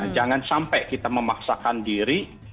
jangan sampai kita memaksakan diri